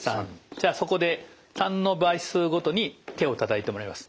じゃあそこで３の倍数ごとに手をたたいてもらいます。